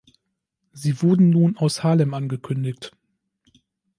Sie wurden nun aus Harlem angekündigt.